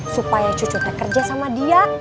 supaya cucu terkerja sama dia